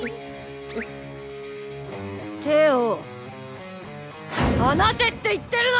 手を離せって言ってるの！